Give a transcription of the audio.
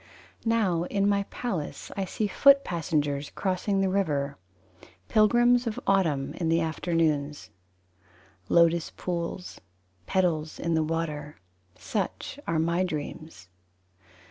Now in my palace I see foot passengers Crossing the river: Pilgrims of Autumn In the afternoons. Lotus pools: Petals in the water. Such are my dreams.